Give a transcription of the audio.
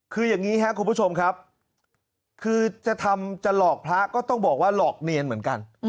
คืออย่างนี้ครับคุณผู้ชมครับคือจะทำจะหลอกพระก็ต้องบอกว่าหลอกเนียนเหมือนกัน